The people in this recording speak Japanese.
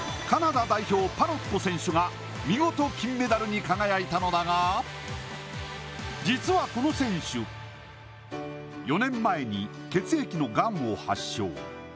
カナダ代表・パロット選手が見事、金メダルに輝いたのだが実は、この選手、４年前に、血液のがんを発症。